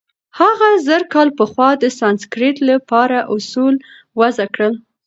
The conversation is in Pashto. هغه زرکال پخوا د سانسکریت له پاره اوصول وضع کړل.